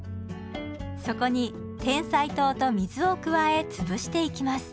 そこにてんさい糖と水を加えつぶしていきます。